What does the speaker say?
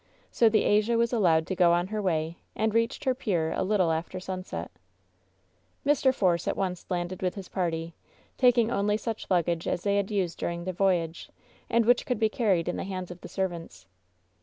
So the Asia was allowed to go on her way, and reached her pier a little after sunset. Mr. Force at once landed with his party, taking only such luggage as they had used during the voyage, and which coidd be carried in the hands of the servants.